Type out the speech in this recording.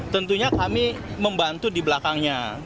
tentunya kami membantu di belakangnya